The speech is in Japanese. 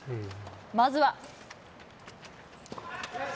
まずは。